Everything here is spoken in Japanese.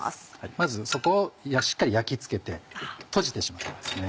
まず底をしっかり焼き付けてとじてしまいますね。